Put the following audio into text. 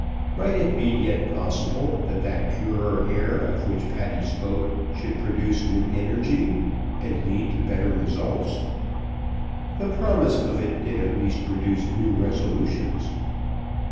Might it be yet possible that that purer air of which Patty spoke should produce new energy, and lead to better results? The promise of it did at least produce new resolutions.